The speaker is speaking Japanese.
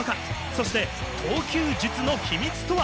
そして投球術の秘密とは？